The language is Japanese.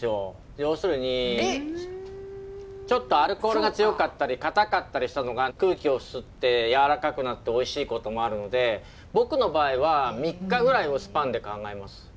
要するにちょっとアルコールが強かったり硬かったりしたのが空気を吸って柔らかくなっておいしいこともあるので僕の場合は３日ぐらいのスパンで考えます。